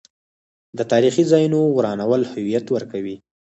د تاریخي ځایونو ورانول هویت ورکوي.